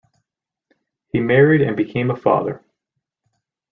He married and became a father.